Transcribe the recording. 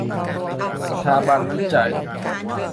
สถาบันวิจัย